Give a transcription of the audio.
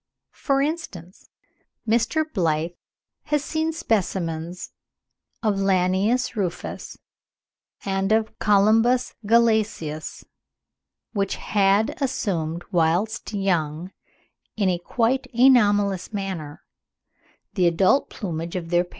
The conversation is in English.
For instance Mr. Blyth has seen specimens of Lanius rufus and of Colymbus glacialis which had assumed whilst young, in a quite anomalous manner, the adult plumage of their parents.